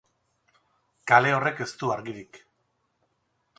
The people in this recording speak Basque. Kale horrek ez du argirik.